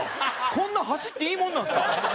こんな走っていいもんなんですか？